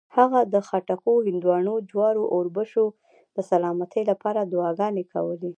هغه د خټکو، هندواڼو، جوارو او اوربشو د سلامتۍ لپاره دعاګانې کولې.